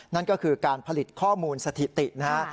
นั่นก็คือการผลิตข้อมูลสถิตินะฮะ